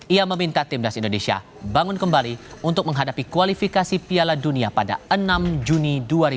ia meminta timnas indonesia bangun kembali untuk menghadapi kualifikasi piala dunia pada enam juni dua ribu dua puluh